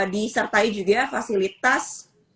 disertai juga fasilitas